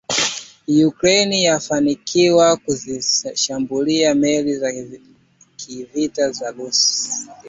Ukraine yafanikiwa kuzishambulia meli za kivita za Russia